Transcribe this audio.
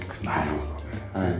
なるほどねえ。